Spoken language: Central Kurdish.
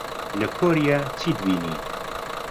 لە کۆریا چیت بینی؟